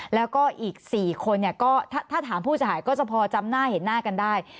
แล้วก็อีก๔คนถ้าถามผู้เสียหายก็จะพอจำหน้าเห็นหน้ากันได้